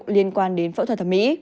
liên quan đến phẫu thuật thẩm mỹ